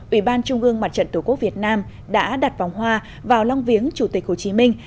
ủy ban trung ương mặt trận tổ quốc việt nam đã đặt vòng hoa vào long viếng chủ tịch hồ chí minh